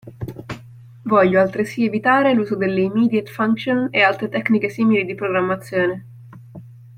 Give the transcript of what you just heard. Voglio altresì evitare l'uso delle immediate function e altre tecniche simili di programmazione.